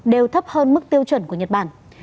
đều thấp hơn mức tiêu chuẩn của nhật bản